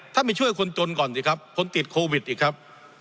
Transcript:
ไปช่วยคนจนก่อนสิครับคนติดโควิดอีกครับ